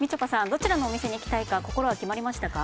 どちらのお店に行きたいか心は決まりましたか？